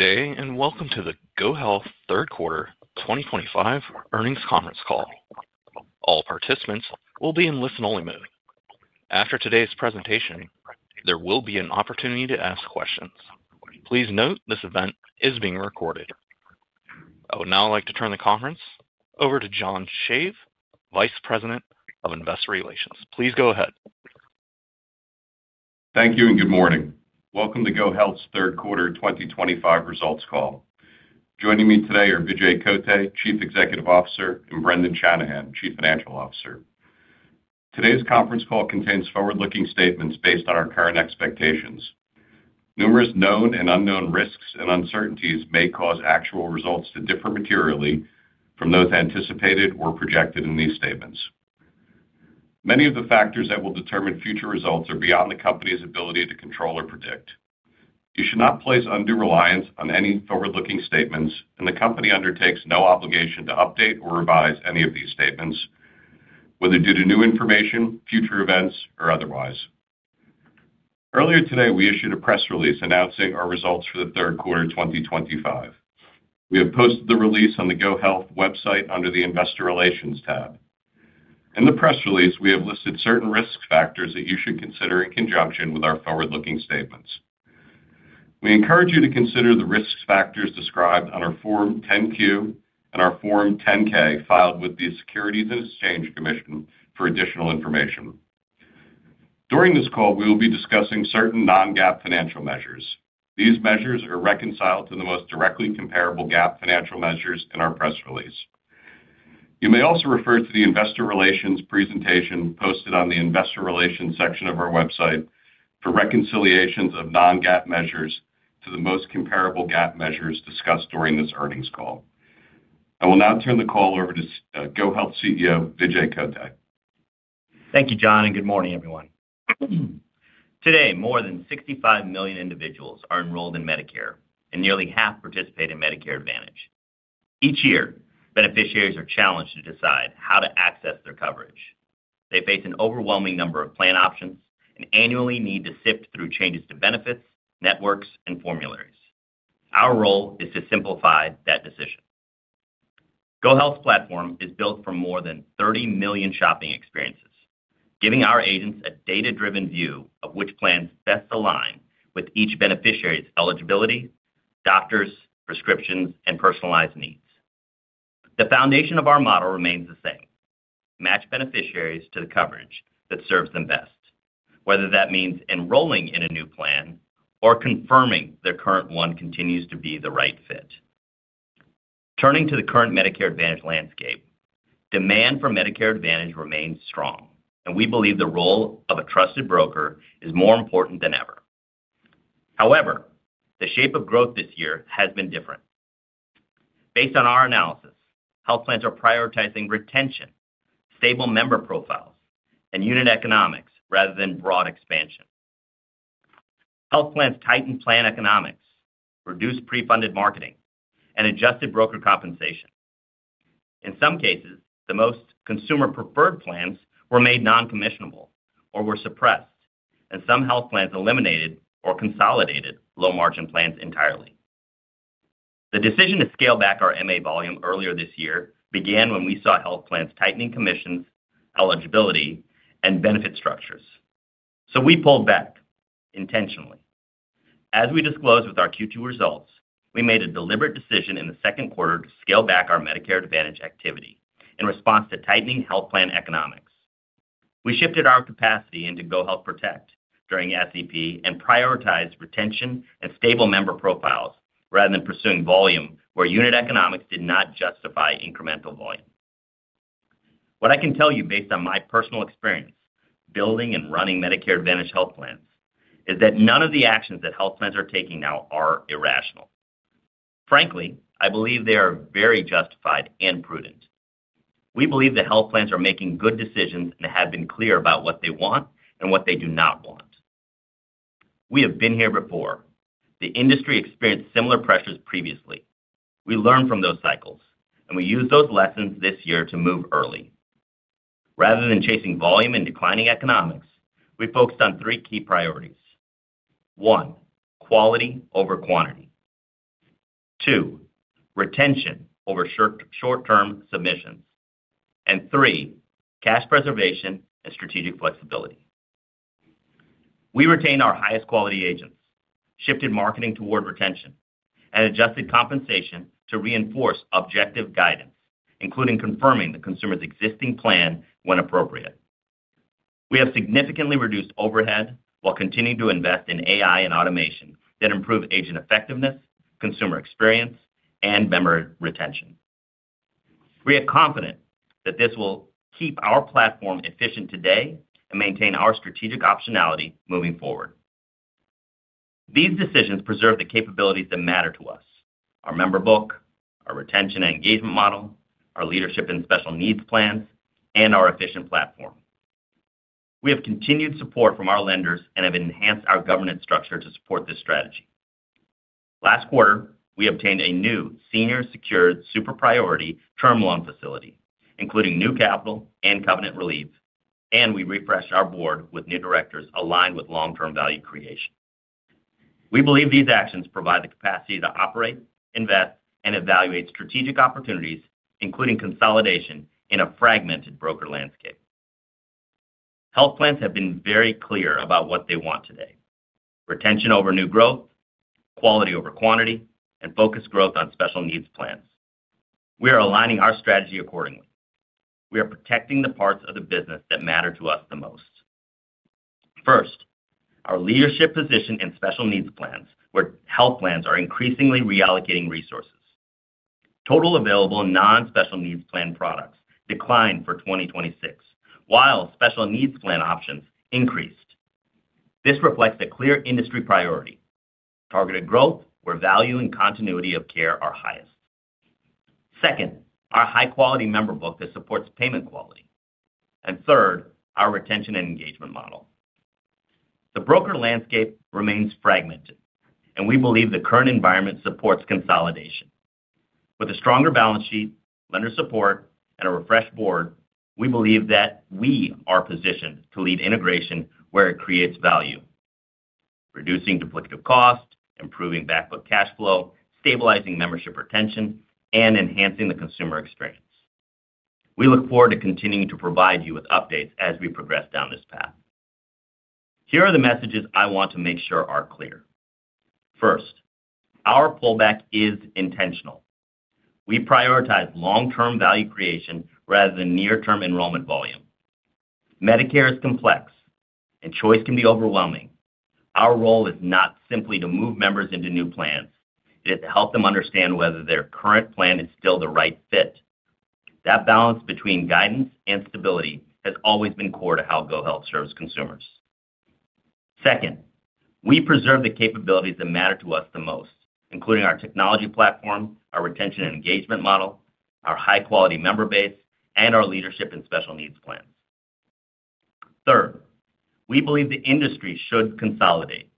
Good day and welcome to the GoHealth Q3 2025 earnings conference call. All participants will be in listen-only mode. After today's presentation, there will be an opportunity to ask questions. Please note this event is being recorded. I would now like to turn the conference over to John Shave, Vice President of Investor Relations. Please go ahead. Thank you and good morning. Welcome to GoHealth's Q3 2025 results call. Joining me today are Vijay Kotte, Chief Executive Officer, and Brendan Shanahan, Chief Financial Officer. Today's conference call contains forward-looking statements based on our current expectations. Numerous known and unknown risks and uncertainties may cause actual results to differ materially from those anticipated or projected in these statements. Many of the factors that will determine future results are beyond the company's ability to control or predict. You should not place undue reliance on any forward-looking statements, and the company undertakes no obligation to update or revise any of these statements, whether due to new information, future events, or otherwise. Earlier today, we issued a press release announcing our results for Q3 2025. We have posted the release on the GoHealth website under the Investor Relations tab. In the press release, we have listed certain risk factors that you should consider in conjunction with our forward-looking statements. We encourage you to consider the risk factors described on our Form 10-Q and our Form 10-K filed with the Securities and Exchange Commission for additional information. During this call, we will be discussing certain non-GAAP financial measures. These measures are reconciled to the most directly comparable GAAP financial measures in our press release. You may also refer to the Investor Relations presentation posted on the Investor Relations section of our website for reconciliations of non-GAAP measures to the most comparable GAAP measures discussed during this earnings call. I will now turn the call over to GoHealth CEO Vijay Kotte. Thank you, John, and good morning, everyone. Today, more than 65 million individuals are enrolled in Medicare, and nearly half participate in Medicare Advantage. Each year, beneficiaries are challenged to decide how to access their coverage. They face an overwhelming number of plan options and annually need to sift through changes to benefits, networks, and formularies. Our role is to simplify that decision. GoHealth's platform is built for more than 30 million shopping experiences, giving our agents a data-driven view of which plans best align with each beneficiary's eligibility, doctors, prescriptions, and personalized needs. The foundation of our model remains the same: match beneficiaries to the coverage that serves them best, whether that means enrolling in a new plan or confirming their current one continues to be the right fit. Turning to the current Medicare Advantage landscape, demand for Medicare Advantage remains strong, and we believe the role of a trusted broker is more important than ever. However, the shape of growth this year has been different. Based on our analysis, health plans are prioritizing retention, stable member profiles, and unit economics rather than broad expansion. Health plans tightened plan economics, reduced pre-funded marketing, and adjusted broker compensation. In some cases, the most consumer-preferred plans were made non-commissionable or were suppressed, and some health plans eliminated or consolidated low-margin plans entirely. The decision to scale back our MA volume earlier this year began when we saw health plans tightening commissions, eligibility, and benefit structures. We pulled back intentionally. As we disclosed with our Q2 results, we made a deliberate decision in the Q2 to scale back our Medicare Advantage activity in response to tightening health plan economics. We shifted our capacity into GoHealth Protect during SEP and prioritized retention and stable member profiles rather than pursuing volume where unit economics did not justify incremental volume. What I can tell you based on my personal experience building and running Medicare Advantage health plans is that none of the actions that health plans are taking now are irrational. Frankly, I believe they are very justified and prudent. We believe the health plans are making good decisions and have been clear about what they want and what they do not want. We have been here before. The industry experienced similar pressures previously. We learned from those cycles, and we used those lessons this year to move early. Rather than chasing volume and declining economics, we focused on three key priorities: one, quality over quantity; two, retention over short-term submissions; and three, cash preservation and strategic flexibility. We retained our highest-quality agents, shifted marketing toward retention, and adjusted compensation to reinforce objective guidance, including confirming the consumer's existing plan when appropriate. We have significantly reduced overhead while continuing to invest in AI and automation that improve agent effectiveness, consumer experience, and member retention. We are confident that this will keep our platform efficient today and maintain our strategic optionality moving forward. These decisions preserve the capabilities that matter to us: our member book, our retention and engagement model, our leadership in special needs plans, and our efficient platform. We have continued support from our lenders and have enhanced our governance structure to support this strategy. Last quarter, we obtained a new senior-secured super priority term loan facility, including new capital and covenant relief, and we refreshed our board with new directors aligned with long-term value creation. We believe these actions provide the capacity to operate, invest, and evaluate strategic opportunities, including consolidation in a fragmented broker landscape. Health plans have been very clear about what they want today: retention over new growth, quality over quantity, and focused growth on special needs plans. We are aligning our strategy accordingly. We are protecting the parts of the business that matter to us the most. First, our leadership position in special needs plans, where health plans are increasingly reallocating resources. Total available non-special needs plan products declined for 2026, while special needs plan options increased. This reflects a clear industry priority: targeted growth, where value and continuity of care are highest. Second, our high-quality member book that supports payment quality. Third, our retention and engagement model. The broker landscape remains fragmented, and we believe the current environment supports consolidation. With a stronger balance sheet, lender support, and a refreshed board, we believe that we are positioned to lead integration where it creates value: reducing duplicative cost, improving backbook cash flow, stabilizing membership retention, and enhancing the consumer experience. We look forward to continuing to provide you with updates as we progress down this path. Here are the messages I want to make sure are clear. First, our pullback is intentional. We prioritize long-term value creation rather than near-term enrollment volume. Medicare is complex, and choice can be overwhelming. Our role is not simply to move members into new plans; it is to help them understand whether their current plan is still the right fit. That balance between guidance and stability has always been core to how GoHealth serves consumers. Second, we preserve the capabilities that matter to us the most, including our technology platform, our retention and engagement model, our high-quality member base, and our leadership in special needs plans. Third, we believe the industry should consolidate.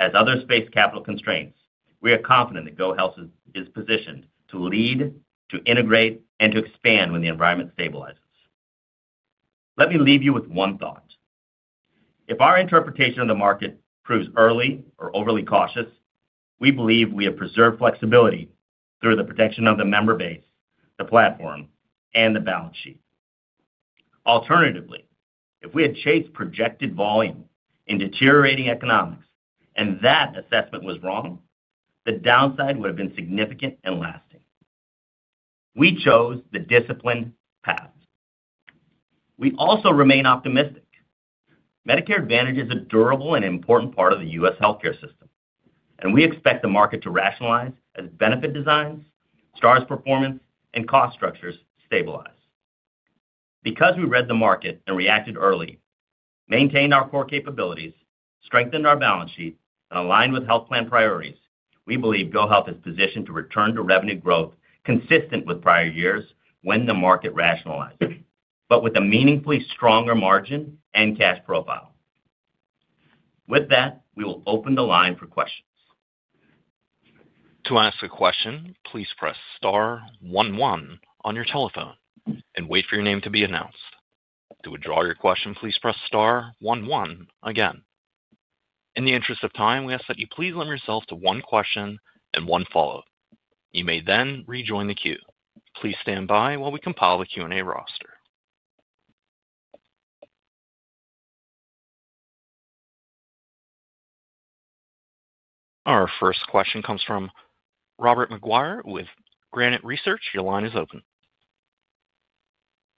As others face capital constraints, we are confident that GoHealth is positioned to lead, to integrate, and to expand when the environment stabilizes. Let me leave you with one thought. If our interpretation of the market proves early or overly cautious, we believe we have preserved flexibility through the protection of the member base, the platform, and the balance sheet. Alternatively, if we had chased projected volume in deteriorating economics and that assessment was wrong, the downside would have been significant and lasting. We chose the disciplined path. We also remain optimistic. Medicare Advantage is a durable and important part of the U.S. Healthcare system, and we expect the market to rationalize as benefit designs, STARS performance, and cost structures stabilize. Because we read the market and reacted early, maintained our core capabilities, strengthened our balance sheet, and aligned with health plan priorities, we believe GoHealth is positioned to return to revenue growth consistent with prior years when the market rationalized, but with a meaningfully stronger margin and cash profile. With that, we will open the line for questions. To ask a question, please press star one one on your telephone and wait for your name to be announced. To withdraw your question, please press star one one again. In the interest of time, we ask that you please limit yourself to one question and one follow-up. You may then rejoin the queue. Please stand by while we compile the Q&A roster. Our first question comes from Robert McGuire with Granite Research. Your line is open.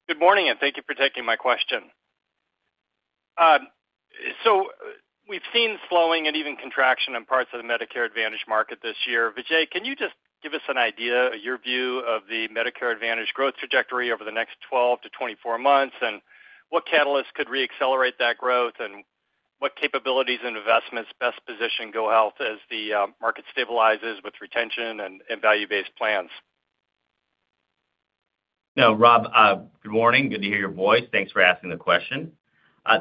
Good morning, and thank you for taking my question. So we've seen slowing and even contraction in parts of the Medicare Advantage market this year. Vijay, can you just give us an idea, your view of the Medicare Advantage growth trajectory over the next 12 to 24 months and what catalysts could re-accelerate that growth and what capabilities and investments best position GoHealth as the market stabilizes with retention and value-based plans? No, Rob, good morning. Good to hear your voice. Thanks for asking the question.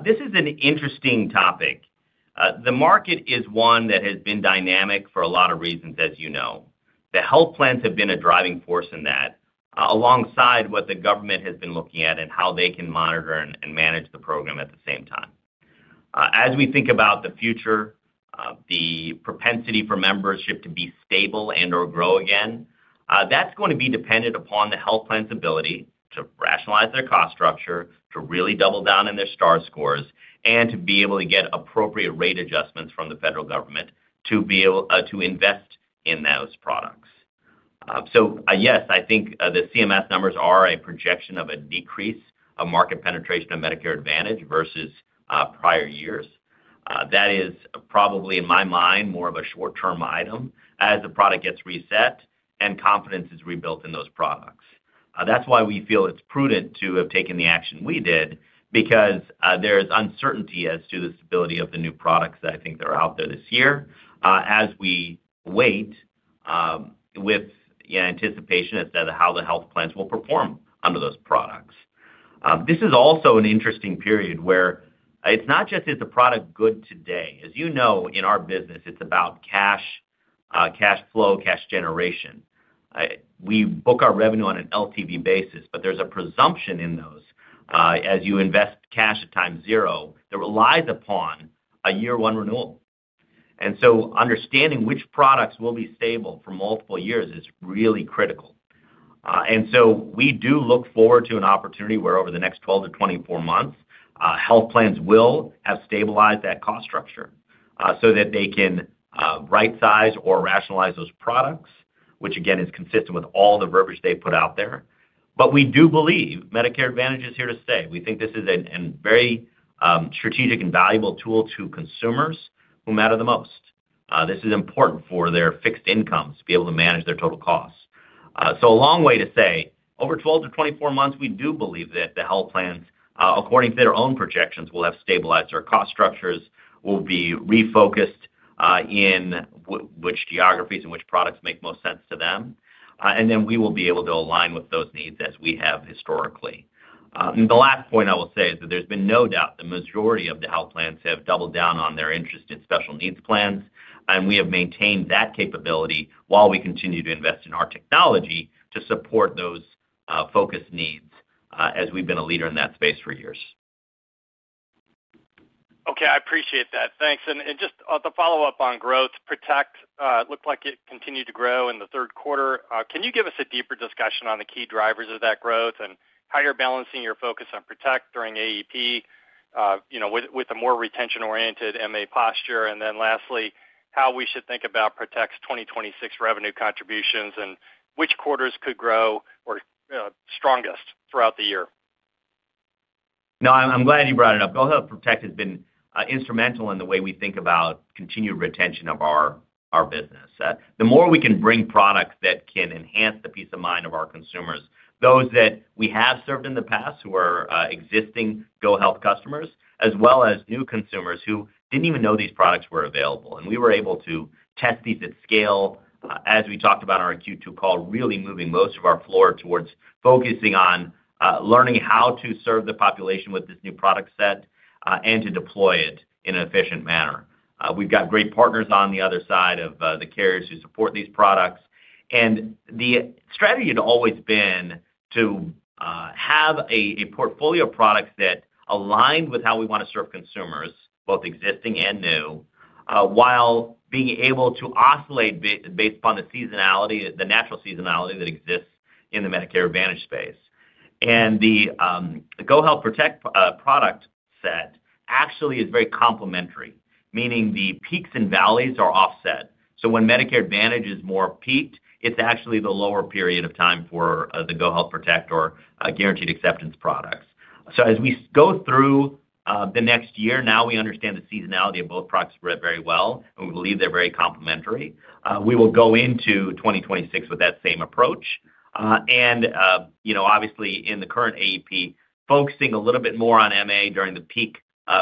This is an interesting topic. The market is one that has been dynamic for a lot of reasons, as you know. The health plans have been a driving force in that, alongside what the government has been looking at and how they can monitor and manage the program at the same time. As we think about the future, the propensity for membership to be stable and/or grow again, that's going to be dependent upon the health plans' ability to rationalize their cost structure, to really double down on their STARS scores, and to be able to get appropriate rate adjustments from the federal government to invest in those products. Yes, I think the CMS numbers are a projection of a decrease of market penetration of Medicare Advantage versus prior years. That is probably, in my mind, more of a short-term item as the product gets reset and confidence is rebuilt in those products. That's why we feel it's prudent to have taken the action we did because there is uncertainty as to the stability of the new products that I think are out there this year as we wait with anticipation as to how the health plans will perform under those products. This is also an interesting period where it's not just, is the product good today? As you know, in our business, it's about cash, cash flow, cash generation. We book our revenue on an LTV basis, but there's a presumption in those as you invest cash at time zero that relies upon a year-one renewal. And so understanding which products will be stable for multiple years is really critical. We do look forward to an opportunity where over the next 12-24 months, health plans will have stabilized that cost structure so that they can right-size or rationalize those products, which again is consistent with all the verbiage they put out there. We do believe Medicare Advantage is here to stay. We think this is a very strategic and valuable tool to consumers who matter the most. This is important for their fixed incomes to be able to manage their total costs. A long way to say, over 12-24 months, we do believe that the health plans, according to their own projections, will have stabilized their cost structures, will be refocused in which geographies and which products make most sense to them, and then we will be able to align with those needs as we have historically. The last point I will say is that there's been no doubt the majority of the health plans have doubled down on their interest in Special Needs Plans, and we have maintained that capability while we continue to invest in our technology to support those focused needs as we've been a leader in that space for years. Okay, I appreciate that. Thanks. Just to follow up on growth, Protect looked like it continued to grow in the third quarter. Can you give us a deeper discussion on the key drivers of that growth and how you're balancing your focus on Protect during AEP with a more retention-oriented MA posture? Lastly, how should we think about Protect's 2026 revenue contributions and which quarters could grow strongest throughout the year? No, I'm glad you brought it up. GoHealth Protect has been instrumental in the way we think about continued retention of our business. The more we can bring products that can enhance the peace of mind of our consumers, those that we have served in the past who are existing GoHealth customers, as well as new consumers who did not even know these products were available. We were able to test these at scale, as we talked about in our Q2 call, really moving most of our floor towards focusing on learning how to serve the population with this new product set and to deploy it in an efficient manner. We have great partners on the other side of the carriers who support these products. The strategy had always been to have a portfolio of products that aligned with how we want to serve consumers, both existing and new, while being able to oscillate based upon the seasonality, the natural seasonality that exists in the Medicare Advantage space. The GoHealth Protect product set actually is very complementary, meaning the peaks and valleys are offset. When Medicare Advantage is more peaked, it's actually the lower period of time for the GoHealth Protect or guaranteed acceptance products. As we go through the next year, now we understand the seasonality of both products very well, and we believe they're very complementary. We will go into 2026 with that same approach. Obviously, in the current AEP, focusing a little bit more on MA during the peak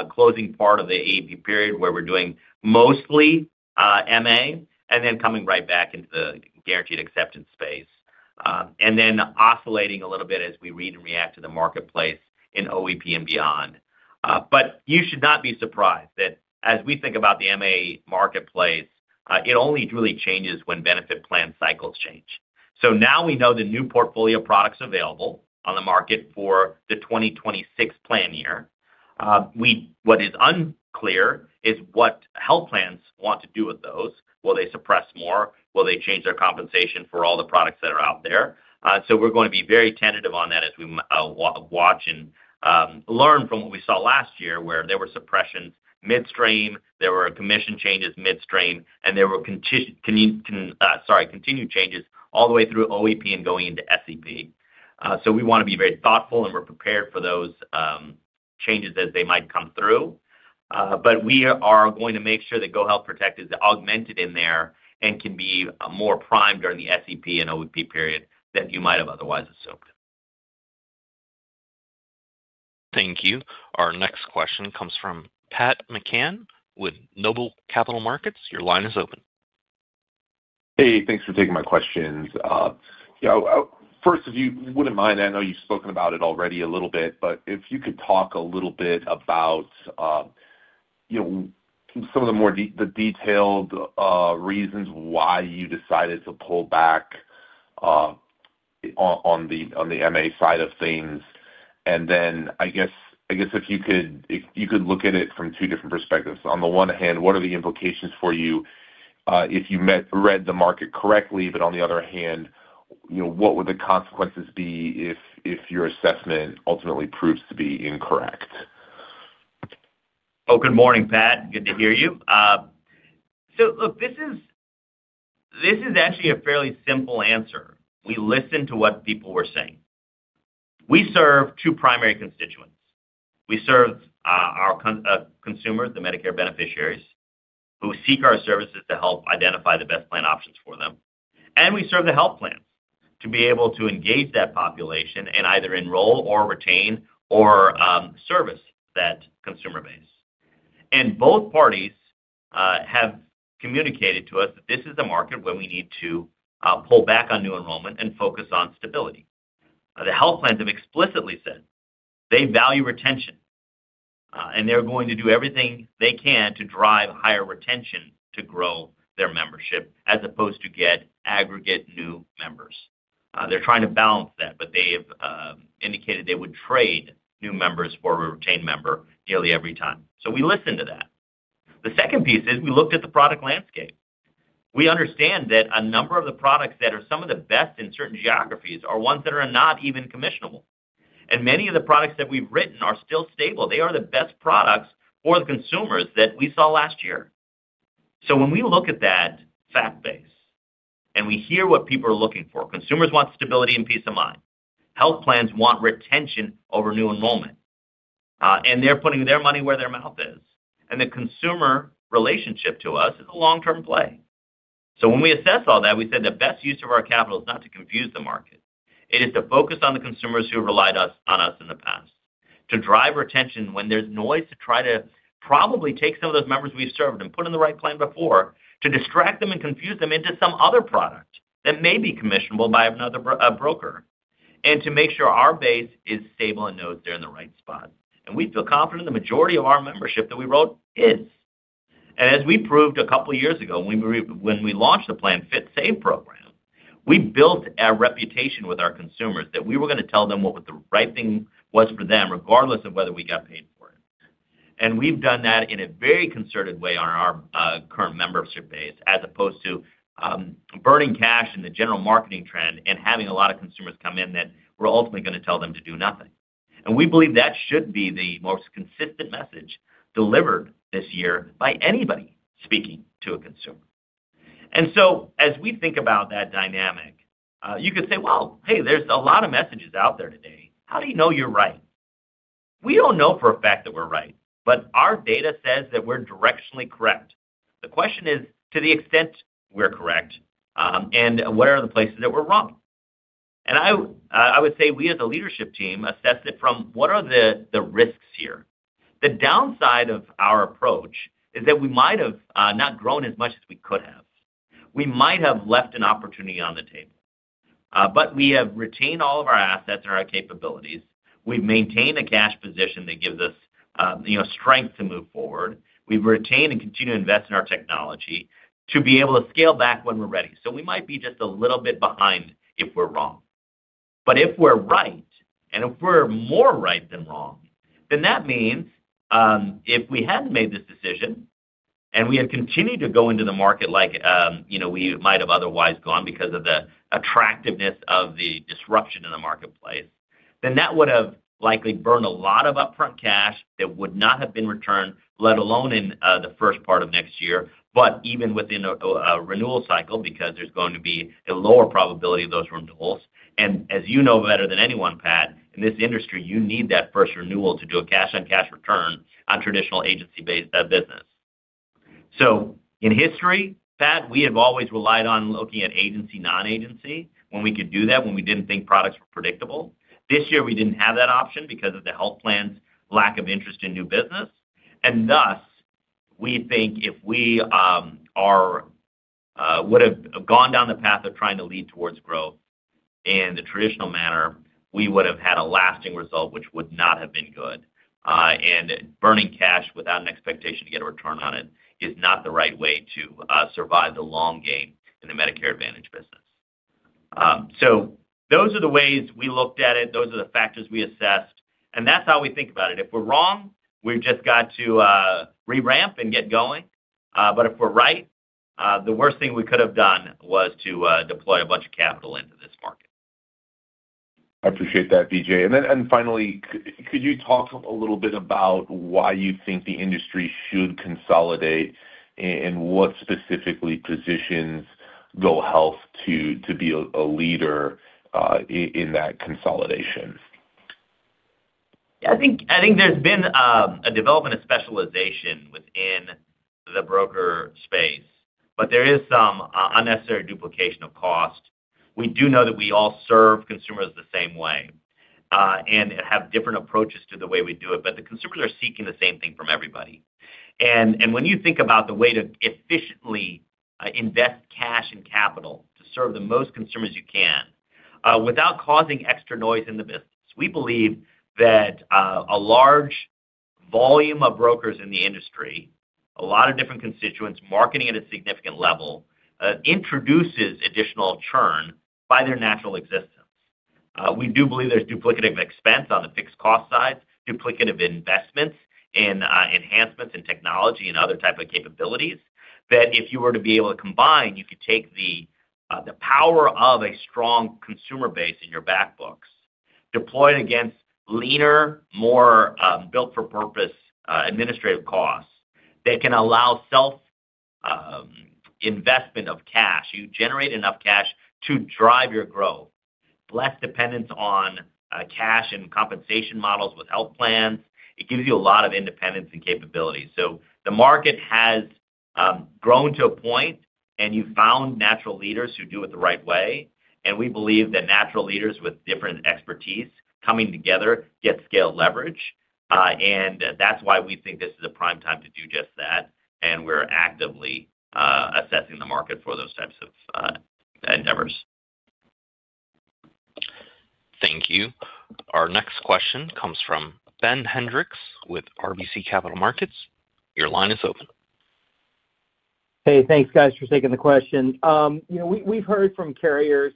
closing part of the AEP period where we're doing mostly MA and then coming right back into the guaranteed acceptance space, and then oscillating a little bit as we read and react to the marketplace in OEP and beyond. You should not be surprised that as we think about the MA marketplace, it only really changes when benefit plan cycles change. Now we know the new portfolio products available on the market for the 2026 plan year. What is unclear is what health plans want to do with those. Will they suppress more? Will they change their compensation for all the products that are out there? We're going to be very tentative on that as we watch and learn from what we saw last year where there were suppressions midstream, there were commission changes midstream, and there were continued changes all the way through OEP and going into SEP. We want to be very thoughtful and we're prepared for those changes as they might come through. We are going to make sure that GoHealth Protect is augmented in there and can be more primed during the SEP and OEP period than you might have otherwise assumed. Thank you. Our next question comes from Pat McCann with Noble Capital Markets. Your line is open. Hey, thanks for taking my questions. First, if you wouldn't mind, I know you've spoken about it already a little bit, but if you could talk a little bit about some of the more detailed reasons why you decided to pull back on the MA side of things. I guess if you could look at it from two different perspectives. On the one hand, what are the implications for you if you read the market correctly, but on the other hand, what would the consequences be if your assessment ultimately proves to be incorrect? Oh, good morning, Pat. Good to hear you. This is actually a fairly simple answer. We listened to what people were saying. We serve two primary constituents. We serve our consumers, the Medicare beneficiaries, who seek our services to help identify the best plan options for them. We serve the health plans to be able to engage that population and either enroll or retain or service that consumer base. Both parties have communicated to us that this is a market where we need to pull back on new enrollment and focus on stability. The health plans have explicitly said they value retention, and they are going to do everything they can to drive higher retention to grow their membership as opposed to get aggregate new members. They are trying to balance that, but they have indicated they would trade new members for a retained member nearly every time. We listened to that. The second piece is we looked at the product landscape. We understand that a number of the products that are some of the best in certain geographies are ones that are not even commissionable. Many of the products that we've written are still stable. They are the best products for the consumers that we saw last year. When we look at that fact base and we hear what people are looking for, consumers want stability and peace of mind. Health plans want retention over new enrollment. They're putting their money where their mouth is. The consumer relationship to us is a long-term play. When we assess all that, we said the best use of our capital is not to confuse the market. It is to focus on the consumers who have relied on us in the past, to drive retention when there's noise, to try to probably take some of those members we've served and put in the right plan before, to distract them and confuse them into some other product that may be commissionable by another broker, and to make sure our base is stable and knows they're in the right spot. We feel confident the majority of our membership that we wrote is. As we proved a couple of years ago when we launched the Plan Fit Save program, we built a reputation with our consumers that we were going to tell them what the right thing was for them regardless of whether we got paid for it. We have done that in a very concerted way on our current membership base as opposed to burning cash in the general marketing trend and having a lot of consumers come in that we are ultimately going to tell them to do nothing. We believe that should be the most consistent message delivered this year by anybody speaking to a consumer. As we think about that dynamic, you could say, "Hey, there are a lot of messages out there today. How do you know you are right?" We do not know for a fact that we are right, but our data says that we are directionally correct. The question is, to the extent we are correct, what are the places that we are wrong? I would say we as a leadership team assessed it from what are the risks here. The downside of our approach is that we might have not grown as much as we could have. We might have left an opportunity on the table, but we have retained all of our assets and our capabilities. We've maintained a cash position that gives us strength to move forward. We've retained and continued to invest in our technology to be able to scale back when we're ready. We might be just a little bit behind if we're wrong. If we're right and if we're more right than wrong, then that means if we hadn't made this decision and we had continued to go into the market like we might have otherwise gone because of the attractiveness of the disruption in the marketplace, that would have likely burned a lot of upfront cash that would not have been returned, let alone in the first part of next year, but even within a renewal cycle because there's going to be a lower probability of those renewals. As you know better than anyone, Pat, in this industry, you need that first renewal to do a cash-on-cash return on traditional agency-based business. In history, Pat, we have always relied on looking at agency-non-agency when we could do that when we didn't think products were predictable. This year, we did not have that option because of the health plans' lack of interest in new business. Thus, we think if we would have gone down the path of trying to lead towards growth in the traditional manner, we would have had a lasting result, which would not have been good. Burning cash without an expectation to get a return on it is not the right way to survive the long game in the Medicare Advantage business. Those are the ways we looked at it. Those are the factors we assessed. That is how we think about it. If we are wrong, we have just got to re-ramp and get going. If we are right, the worst thing we could have done was to deploy a bunch of capital into this market. I appreciate that, Vijay. Finally, could you talk a little bit about why you think the industry should consolidate and what specifically positions GoHealth to be a leader in that consolidation? I think there's been a development of specialization within the broker space, but there is some unnecessary duplication of cost. We do know that we all serve consumers the same way and have different approaches to the way we do it, but the consumers are seeking the same thing from everybody. When you think about the way to efficiently invest cash and capital to serve the most consumers you can without causing extra noise in the business, we believe that a large volume of brokers in the industry, a lot of different constituents marketing at a significant level, introduces additional churn by their natural existence. We do believe there's duplicative expense on the fixed cost side, duplicative investments in enhancements in technology and other types of capabilities that if you were to be able to combine, you could take the power of a strong consumer base in your backbooks, deploy it against leaner, more built-for-purpose administrative costs that can allow self-investment of cash. You generate enough cash to drive your growth, less dependence on cash and compensation models with health plans. It gives you a lot of independence and capability. The market has grown to a point, and you've found natural leaders who do it the right way. We believe that natural leaders with different expertise coming together get scale leverage. That's why we think this is a prime time to do just that. We're actively assessing the market for those types of endeavors. Thank you. Our next question comes from Ben Hendrix with RBC Capital Markets. Your line is open. Hey, thanks, guys, for taking the question. We've heard from carriers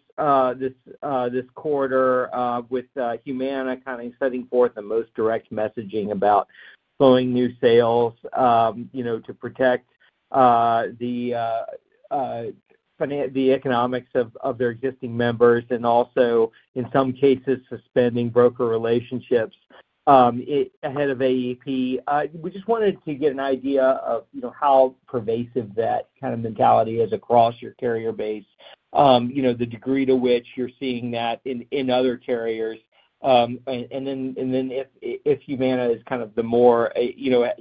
this quarter with Humana kind of setting forth the most direct messaging about slowing new sales to protect the economics of their existing members and also, in some cases, suspending broker relationships ahead of AEP. We just wanted to get an idea of how pervasive that kind of mentality is across your carrier base, the degree to which you're seeing that in other carriers. If Humana is kind of the more,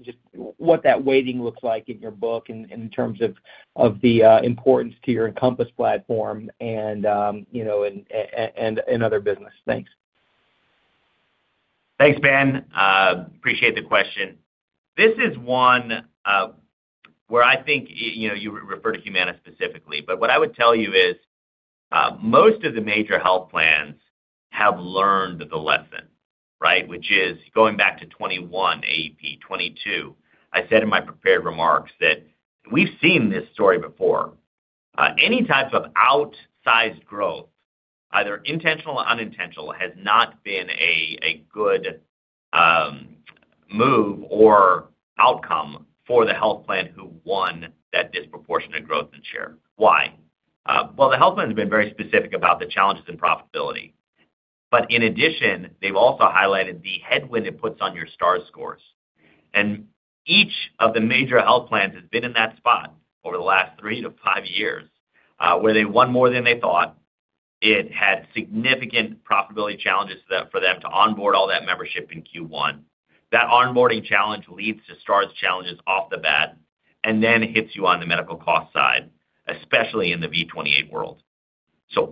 just what that weighting looks like in your book in terms of the importance to your Encompass platform and in other business. Thanks. Thanks, Ben. Appreciate the question. This is one where I think you refer to Humana specifically. What I would tell you is most of the major health plans have learned the lesson, right, which is going back to 2021 AEP, 2022, I said in my prepared remarks that we've seen this story before. Any type of outsized growth, either intentional or unintentional, has not been a good move or outcome for the health plan who won that disproportionate growth in share. Why? The health plan has been very specific about the challenges in profitability. In addition, they've also highlighted the headwind it puts on your star scores. Each of the major health plans has been in that spot over the last three to five years where they won more than they thought. It had significant profitability challenges for them to onboard all that membership in Q1. That onboarding challenge leads to star challenges off the bat and then hits you on the medical cost side, especially in the V28 world.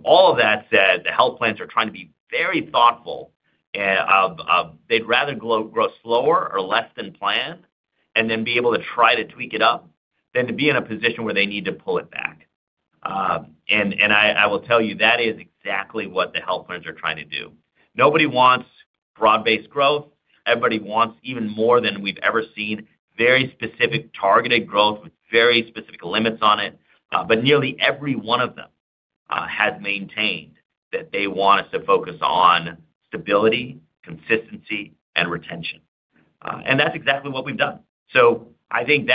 All of that said, the health plans are trying to be very thoughtful. They'd rather grow slower or less than planned and then be able to try to tweak it up than to be in a position where they need to pull it back. I will tell you that is exactly what the health plans are trying to do. Nobody wants broad-based growth. Everybody wants, even more than we've ever seen, very specific targeted growth with very specific limits on it. Nearly every one of them has maintained that they want us to focus on stability, consistency, and retention. That's exactly what we've done. I think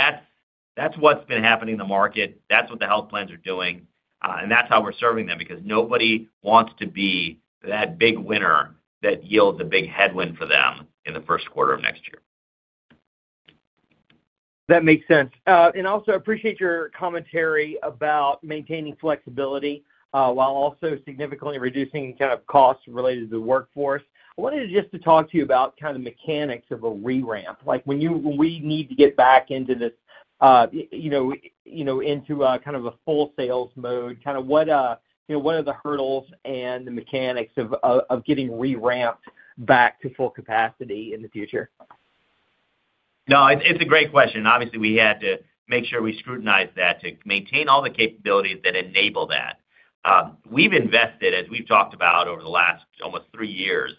that's what's been happening in the market. That's what the health plans are doing. That's how we're serving them because nobody wants to be that big winner that yields a big headwind for them in the first quarter of next year. That makes sense. I appreciate your commentary about maintaining flexibility while also significantly reducing kind of costs related to the workforce. I wanted just to talk to you about kind of the mechanics of a re-ramp. When we need to get back into this into kind of a full sales mode, what are the hurdles and the mechanics of getting re-ramped back to full capacity in the future? No, it's a great question. Obviously, we had to make sure we scrutinized that to maintain all the capabilities that enable that. We've invested, as we've talked about over the last almost three years,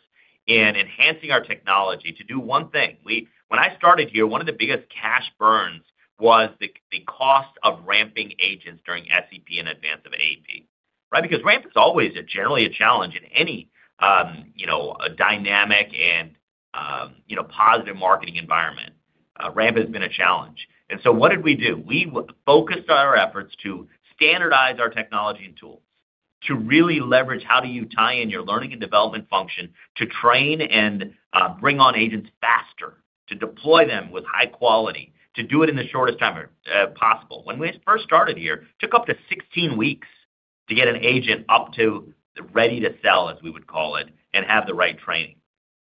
in enhancing our technology to do one thing. When I started here, one of the biggest cash burns was the cost of ramping agents during SEP in advance of AEP, right? Because ramp is always generally a challenge in any dynamic and positive marketing environment. Ramp has been a challenge. What did we do? We focused on our efforts to standardize our technology and tools to really leverage how do you tie in your learning and development function to train and bring on agents faster, to deploy them with high quality, to do it in the shortest time possible. When we first started here, it took up to 16 weeks to get an agent up to ready to sell, as we would call it, and have the right training.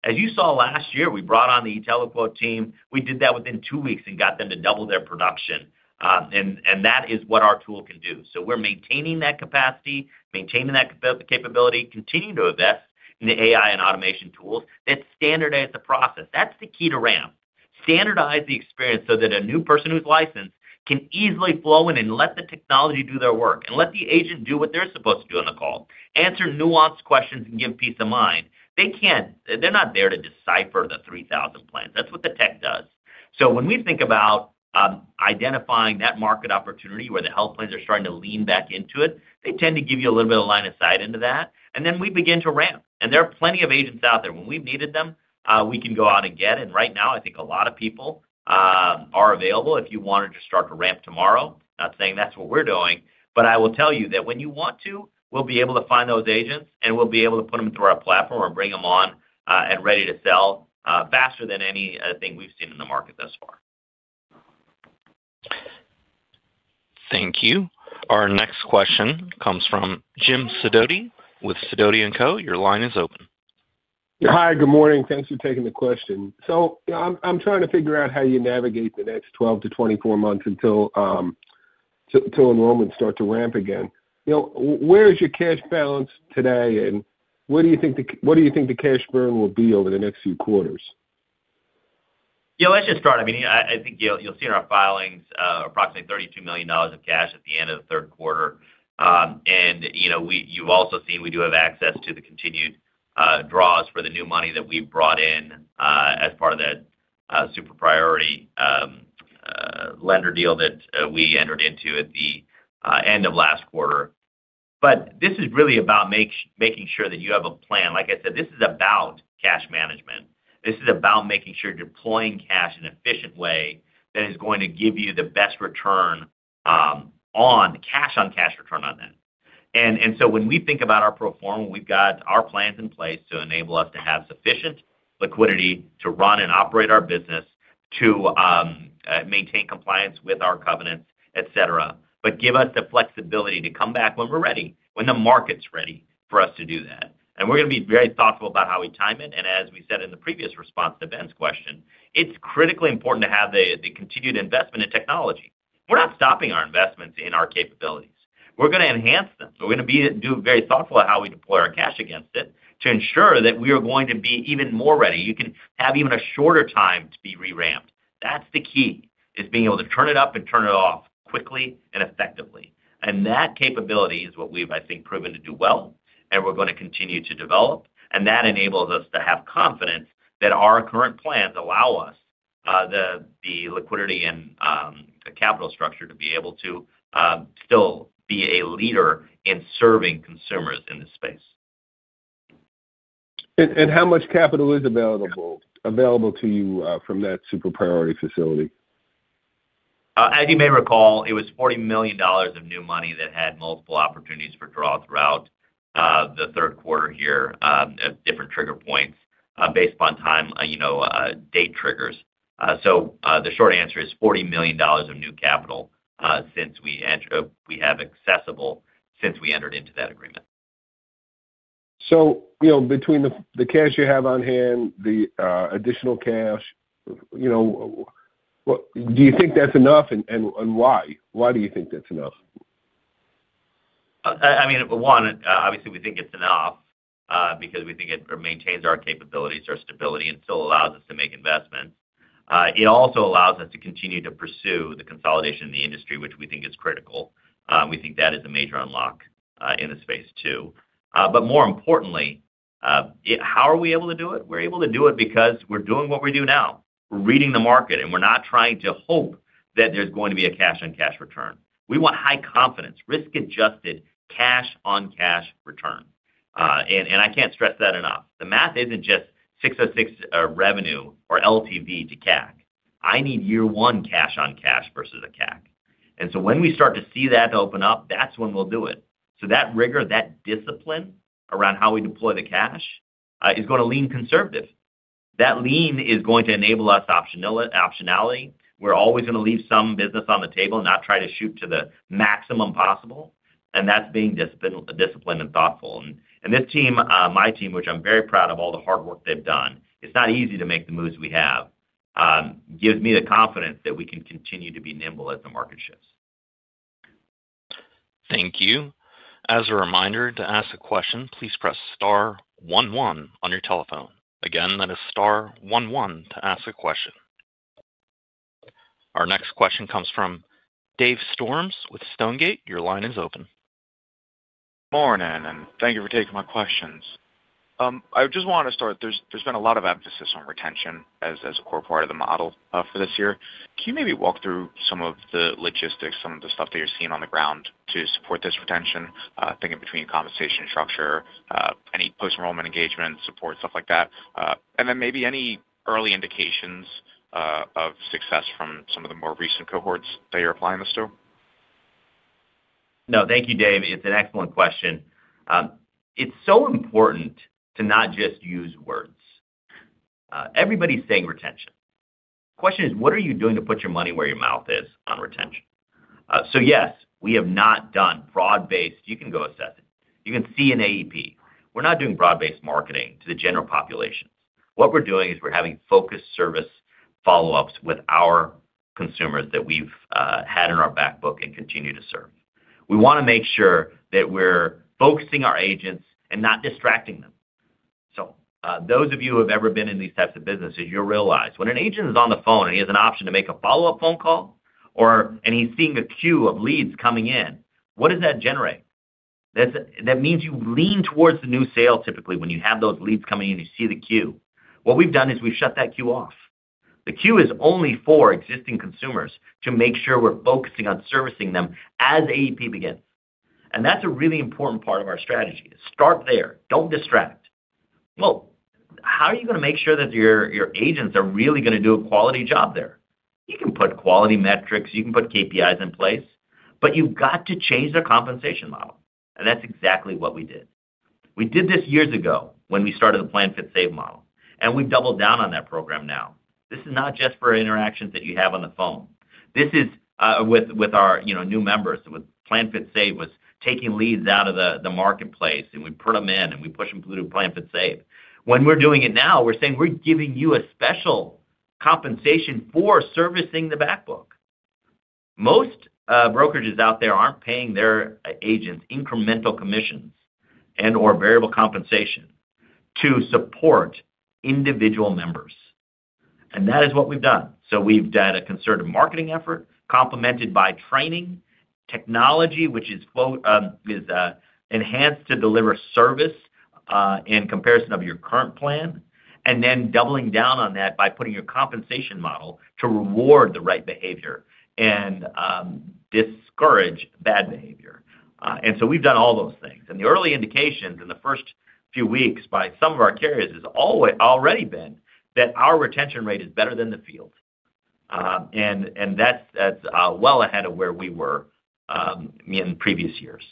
As you saw last year, we brought on the IntelliQuote team. We did that within two weeks and got them to double their production. That is what our tool can do. We are maintaining that capacity, maintaining that capability, continuing to invest in the AI and automation tools that standardize the process. That is the key to ramp. Standardize the experience so that a new person who is licensed can easily flow in and let the technology do their work and let the agent do what they are supposed to do on the call, answer nuanced questions and give peace of mind. They are not there to decipher the 3,000 plans. That is what the tech does. When we think about identifying that market opportunity where the health plans are starting to lean back into it, they tend to give you a little bit of line of sight into that. Then we begin to ramp. There are plenty of agents out there. When we've needed them, we can go out and get it. Right now, I think a lot of people are available if you wanted to start to ramp tomorrow. Not saying that's what we're doing, but I will tell you that when you want to, we'll be able to find those agents and we'll be able to put them through our platform and bring them on and ready to sell faster than anything we've seen in the market thus far. Thank you. Our next question comes from Jim Sidoti with Sidoti & Company. Your line is open. Hi, good morning. Thanks for taking the question. I'm trying to figure out how you navigate the next 12 to 24 months until enrollments start to ramp again. Where is your cash balance today? What do you think the cash burn will be over the next few quarters? Yeah, let's just start. I mean, I think you'll see in our filings approximately $32 million of cash at the end of the third quarter. You've also seen we do have access to the continued draws for the new money that we've brought in as part of that super priority lender deal that we entered into at the end of last quarter. This is really about making sure that you have a plan. Like I said, this is about cash management. This is about making sure you're deploying cash in an efficient way that is going to give you the best return on cash on cash return on that. When we think about our proforma, we have our plans in place to enable us to have sufficient liquidity to run and operate our business, to maintain compliance with our covenants, etc., but give us the flexibility to come back when we are ready, when the market is ready for us to do that. We are going to be very thoughtful about how we time it. As we said in the previous response to Ben's question, it is critically important to have the continued investment in technology. We are not stopping our investments in our capabilities. We are going to enhance them. We are going to be very thoughtful of how we deploy our cash against it to ensure that we are going to be even more ready. You can have even a shorter time to be re-ramped. That's the key, is being able to turn it up and turn it off quickly and effectively. That capability is what we've, I think, proven to do well. We're going to continue to develop, and that enables us to have confidence that our current plans allow us the liquidity and capital structure to be able to still be a leader in serving consumers in this space. How much capital is available to you from that super priority facility? As you may recall, it was $40 million of new money that had multiple opportunities for draw throughout the third quarter here at different trigger points based upon time, date triggers. The short answer is $40 million of new capital since we have accessible since we entered into that agreement. Between the cash you have on hand, the additional cash, do you think that's enough? Why? Why do you think that's enough? I mean, one, obviously, we think it's enough because we think it maintains our capabilities, our stability, and still allows us to make investments. It also allows us to continue to pursue the consolidation in the industry, which we think is critical. We think that is a major unlock in the space too. More importantly, how are we able to do it? We're able to do it because we're doing what we do now. We're reading the market, and we're not trying to hope that there's going to be a cash on cash return. We want high confidence, risk-adjusted cash on cash return. I can't stress that enough. The math isn't just 606 revenue or LTV to CAC. I need year one cash on cash versus a CAC. When we start to see that open up, that's when we'll do it. That rigor, that discipline around how we deploy the cash is going to lean conservative. That lean is going to enable us optionality. We're always going to leave some business on the table and not try to shoot to the maximum possible. That's being disciplined and thoughtful. This team, my team, which I'm very proud of all the hard work they've done, it's not easy to make the moves we have, gives me the confidence that we can continue to be nimble as the market shifts. Thank you. As a reminder, to ask a question, please press star one one on your telephone. Again, that is star one one to ask a question. Our next question comes from Dave Storms with Stonegate. Your line is open. Good morning, and thank you for taking my questions. I just want to start. There's been a lot of emphasis on retention as a core part of the model for this year. Can you maybe walk through some of the logistics, some of the stuff that you're seeing on the ground to support this retention, thinking between compensation structure, any post-enrollment engagement, support, stuff like that, and then maybe any early indications of success from some of the more recent cohorts that you're applying this to? No, thank you, Dave. It's an excellent question. It's so important to not just use words. Everybody's saying retention. The question is, what are you doing to put your money where your mouth is on retention? Yes, we have not done broad-based—you can go assess it. You can see in AEP. We're not doing broad-based marketing to the general populations. What we're doing is we're having focused service follow-ups with our consumers that we've had in our backbook and continue to serve. We want to make sure that we're focusing our agents and not distracting them. Those of you who have ever been in these types of businesses, you'll realize when an agent is on the phone and he has an option to make a follow-up phone call, and he's seeing a queue of leads coming in, what does that generate? That means you lean towards the new sale typically when you have those leads coming in, you see the queue. What we've done is we've shut that queue off. The queue is only for existing consumers to make sure we're focusing on servicing them as AEP begins. That's a really important part of our strategy. Start there. Don't distract. How are you going to make sure that your agents are really going to do a quality job there? You can put quality metrics. You can put KPIs in place. You've got to change the compensation model. That's exactly what we did. We did this years ago when we started the Plan Fit Save model. We've doubled down on that program now. This is not just for interactions that you have on the phone. This is with our new members. With Plan Fit Save, was taking leads out of the marketplace, and we put them in, and we push them through Plan Fit Save. When we're doing it now, we're saying we're giving you a special compensation for servicing the backbook. Most brokerages out there aren't paying their agents incremental commissions and/or variable compensation to support individual members. That is what we've done. We have done a concerted marketing effort complemented by training, technology, which is enhanced to deliver service in comparison of your current plan, and then doubling down on that by putting your compensation model to reward the right behavior and discourage bad behavior. We have done all those things. The early indications in the first few weeks by some of our carriers has already been that our retention rate is better than the field. That is well ahead of where we were in previous years.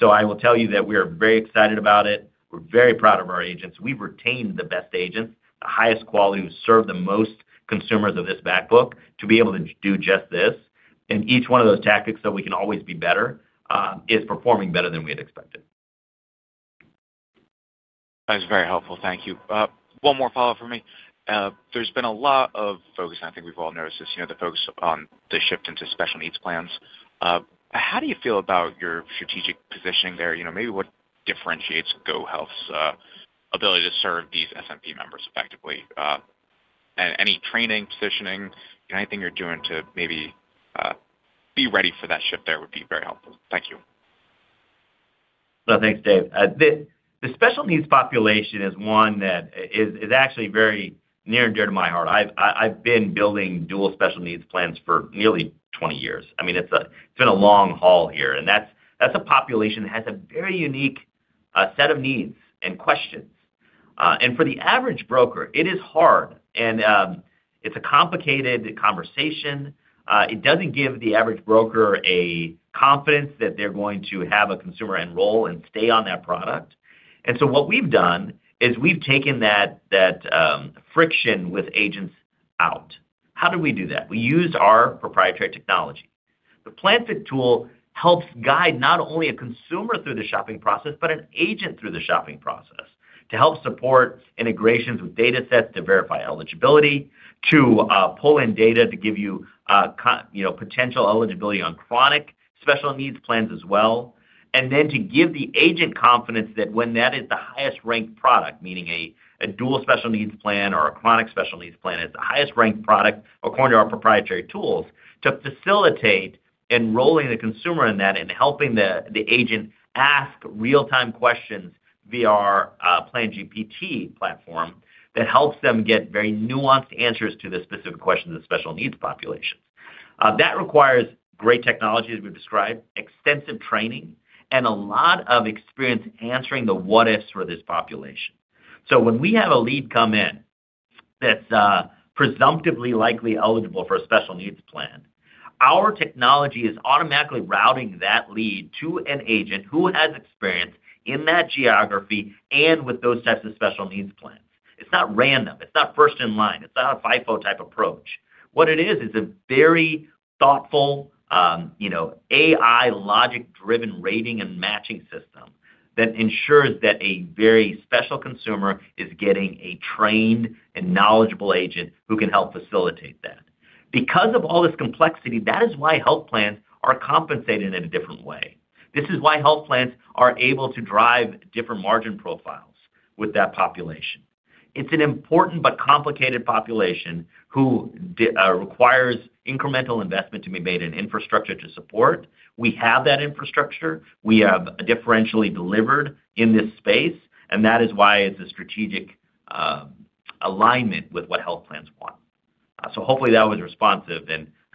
I will tell you that we are very excited about it. We are very proud of our agents. We have retained the best agents, the highest quality who serve the most consumers of this backbook to be able to do just this. Each one of those tactics that we can always be better is performing better than we had expected. That is very helpful. Thank you. One more follow-up for me. There has been a lot of focus, and I think we have all noticed this, the focus on the shift into special needs plans. How do you feel about your strategic positioning there? Maybe what differentiates GoHealth's ability to serve these SNP members effectively? Any training, positioning, anything you are doing to maybe be ready for that shift there would be very helpful. Thank you. No, thanks, Dave. The special needs population is one that is actually very near and dear to my heart. I've been building dual special needs plans for nearly 20 years. I mean, it's been a long haul here. That is a population that has a very unique set of needs and questions. For the average broker, it is hard. It is a complicated conversation. It does not give the average broker a confidence that they're going to have a consumer enroll and stay on that product. What we've done is we've taken that friction with agents out. How did we do that? We used our proprietary technology. The Plan Fit tool helps guide not only a consumer through the shopping process, but an agent through the shopping process to help support integrations with data sets to verify eligibility, to pull in data to give you potential eligibility on chronic special needs plans as well, and then to give the agent confidence that when that is the highest ranked product, meaning a dual special needs plan or a chronic special needs plan, it is the highest ranked product according to our proprietary tools to facilitate enrolling the consumer in that and helping the agent ask real-time questions via our Plan GPT platform that helps them get very nuanced answers to the specific questions of special needs populations. That requires great technology as we have described, extensive training, and a lot of experience answering the what-ifs for this population. When we have a lead come in that's presumptively likely eligible for a special needs plan, our technology is automatically routing that lead to an agent who has experience in that geography and with those types of special needs plans. It's not random. It's not first in line. It's not a FIFO type approach. What it is, is a very thoughtful AI logic-driven rating and matching system that ensures that a very special consumer is getting a trained and knowledgeable agent who can help facilitate that. Because of all this complexity, that is why health plans are compensated in a different way. This is why health plans are able to drive different margin profiles with that population. It's an important but complicated population who requires incremental investment to be made in infrastructure to support. We have that infrastructure. We have differentially delivered in this space. That is why it's a strategic alignment with what health plans want. Hopefully that was responsive.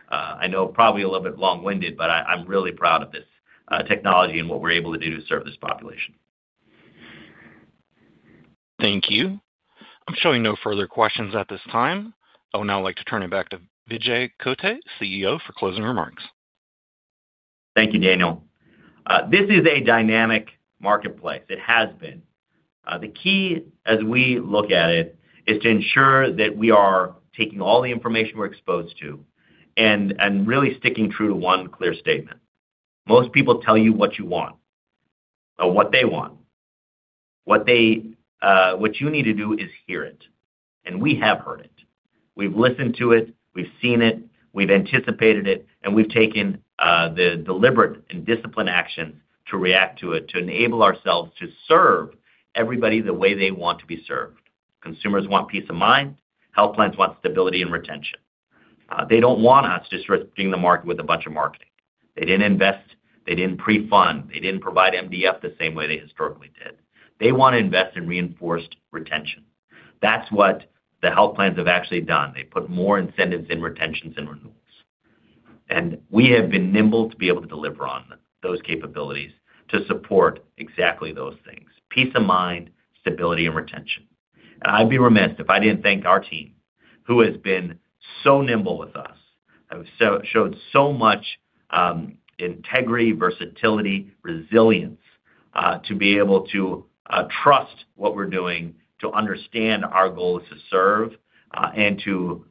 I know probably a little bit long-winded, but I'm really proud of this technology and what we're able to do to serve this population. Thank you. I'm showing no further questions at this time. I would now like to turn it back to Vijay Kotte, CEO, for closing remarks. Thank you, Daniel. This is a dynamic marketplace. It has been. The key, as we look at it, is to ensure that we are taking all the information we're exposed to and really sticking true to one clear statement. Most people tell you what you want or what they want. What you need to do is hear it. We have heard it. We've listened to it. We've seen it. We've anticipated it. We've taken the deliberate and disciplined actions to react to it to enable ourselves to serve everybody the way they want to be served. Consumers want peace of mind. Health plans want stability and retention. They do not want us to just be in the market with a bunch of marketing. They did not invest. They did not pre-fund. They did not provide MDF the same way they historically did. They want to invest in reinforced retention. That's what the health plans have actually done. They put more incentives in retentions and renewals. We have been nimble to be able to deliver on those capabilities to support exactly those things: peace of mind, stability, and retention. I'd be remiss if I didn't thank our team, who has been so nimble with us, who have showed so much integrity, versatility, resilience to be able to trust what we're doing, to understand our goals to serve, and to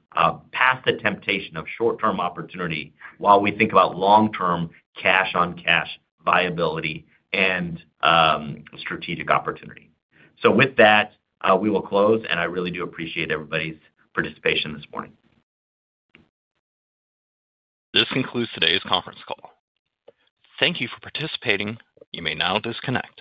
pass the temptation of short-term opportunity while we think about long-term cash on cash viability and strategic opportunity. With that, we will close. I really do appreciate everybody's participation this morning. This concludes today's conference call. Thank you for participating. You may now disconnect.